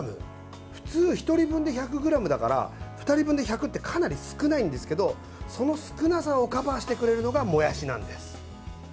普通、１人分で１００ｇだから２人分で１００ってかなり少ないんですけどその少なさをカバーしてくれるのがもやしなんです。